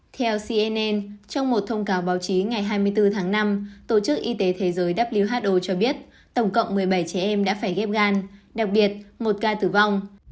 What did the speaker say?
theo cnn trong một thông cáo báo chí ngày hai mươi bốn tháng năm tổ chức y tế thế giới who cho biết tổng cộng một mươi bảy trẻ em đã phải ghép gan đặc biệt một ca tử vong